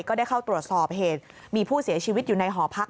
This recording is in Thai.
ก็ได้เข้าตรวจสอบเหตุมีผู้เสียชีวิตอยู่ในหอพัก